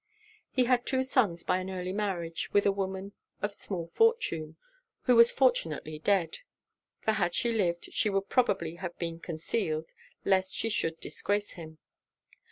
He had two sons by an early marriage with a woman of small fortune, who was fortunately dead; for had she lived, she would probably have been concealed, lest she should disgrace him.